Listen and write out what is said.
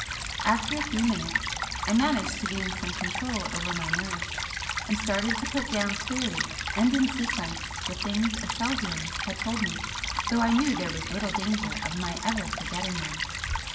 After a few minutes I managed to gain some control over my nerves, and started to put down clearly and in sequence the things Aselzion had told me, though I knew there was little danger of my ever forgetting them.